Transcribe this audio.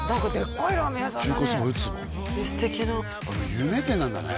有名店なんだね